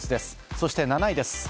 そして７位です。